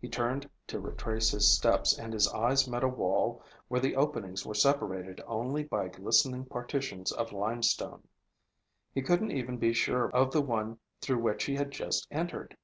He turned to retrace his steps, and his eyes met a wall where the openings were separated only by glistening partitions of limestone. He couldn't even be sure of the one through which he had just entered.